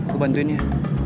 gue bantuin ya